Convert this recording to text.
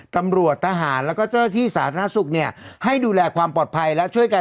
ทหารแล้วก็เจ้าที่สาธารณสุขเนี่ยให้ดูแลความปลอดภัยและช่วยการ